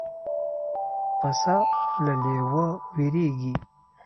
پسه له لېوه وېرېږي.